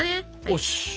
よし！